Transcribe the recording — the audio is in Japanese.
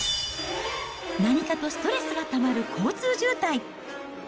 何かとストレスがたまる交通渋滞。